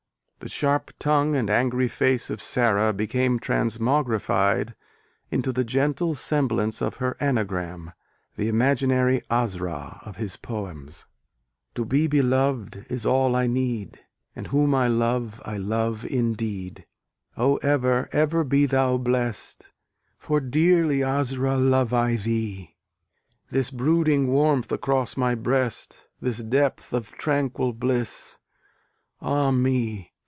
The sharp tongue and angry face of Sara became transmogrified into the gentle semblance of her anagram, the imaginary Asra of his poems, To be beloved is all I need, And whom I love I love indeed. O ever ever be thou blest! For dearly, Asra! love I thee! This brooding warmth across my breast, This depth of tranquil bliss ah, me!